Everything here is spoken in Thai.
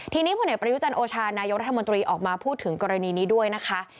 ทีนี้ผลเอกประยุจันทร์โอชานายกรัฐมนตรีออกมาพูดถึงกรณีนี้ด้วยนะคะ